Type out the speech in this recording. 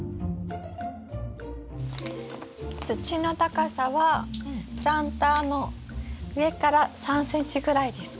土の高さはプランターの上から３ｃｍぐらいですか？